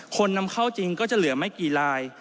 นำเข้าจริงก็จะเหลือไม่กี่ลาย